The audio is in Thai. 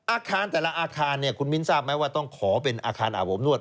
อาคารแต่ละอาคารเนี่ยคุณมิ้นทราบไหมว่าต้องขอเป็นอาคารอาบอบนวด